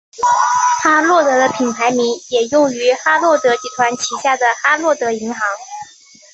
哈洛德的品牌名也用于哈洛德集团旗下的哈洛德银行。